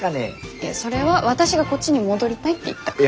いやそれは私がこっちに戻りたいって言ったから。